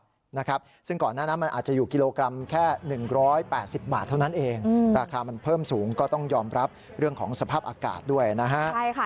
ราคามันเพิ่มสูงก็ต้องยอมรับเรื่องของสภาพอากาศด้วยนะฮะ